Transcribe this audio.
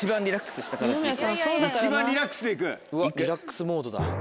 リラックスモードだ。